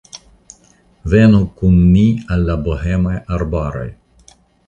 Venu kun ni al la bohemaj arbaroj!